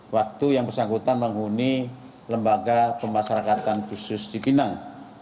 waktu yang bersangkutan menghuni lembaga pemasarakatan khusus di pinang